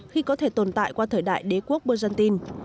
khi có thể tồn tại qua thời đại đế quốc berjantin